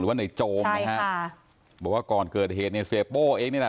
หรือว่าในโจมใช่ค่ะบอกว่าก่อนเกิดเหตุในเซโป้เองนี่น่ะ